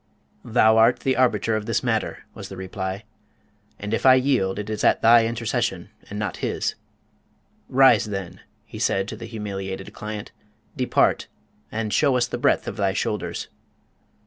"Thou art the arbiter of this matter," was the reply. "And if I yield, it is at thy intercession, and not his. Rise then," he said to the humiliated client; "depart, and show us the breadth of thy shoulders."